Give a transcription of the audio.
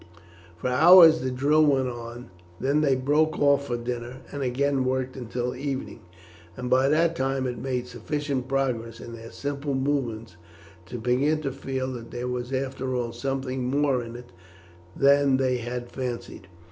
For hours the drill went on; then they broke off for dinner and again worked until evening, and by that time had made sufficient progress in their simple movements to begin to feel that there was after all something more in it than they had fancied.